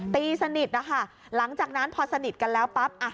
ตีสนิทหลังจากนั้นพอสนิทกันแล้วปั๊บ